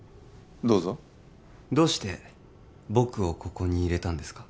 どうぞどうして僕をここに入れたんですか？